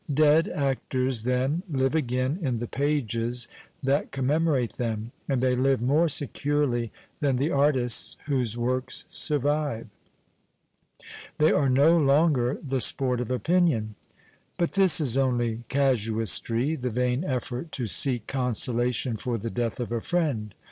Dead actors, then, live again in the pages that commemorate them, and they live more securely than the artists whose works survive. They are no longer the sport of opinion. But this is only casuistry, the vain effort to seek consolation for the death of a friend.